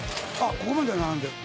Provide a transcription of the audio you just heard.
ここまで並んでる。